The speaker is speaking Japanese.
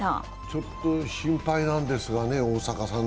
ちょっと心配なんですがね、大坂さん。